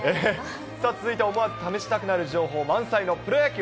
続いては思わず試したくなる情報満載のプロ野球